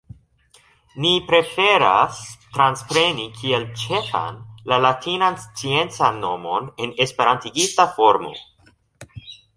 Ni preferas transpreni kiel ĉefan la latinan sciencan nomon en esperantigita formo.